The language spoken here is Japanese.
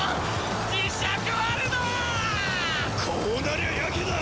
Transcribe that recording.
こうなりゃやけだ！